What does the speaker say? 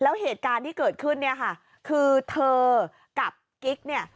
แล้วเหตุการณ์ที่เกิดขึ้นเนี่ยค่ะคือเธอกับกิ๊กเนี่ย